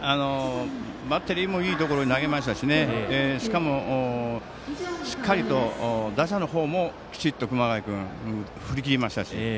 バッテリーもいいところに投げましたししかも、しっかりと打者の方もきちっと熊谷君振り切りましたし。